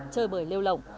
chơi bởi liêu lộng